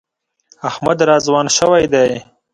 احمد را ځوان شوی دی.